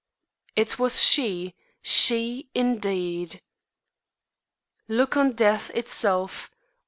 II IT WAS SHE SHE INDEED! Look on death itself!